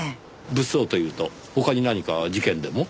物騒というと他に何か事件でも？